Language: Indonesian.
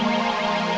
aku akan berubah nino